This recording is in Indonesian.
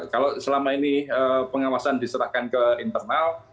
kalau selama ini pengawasan diserahkan ke internal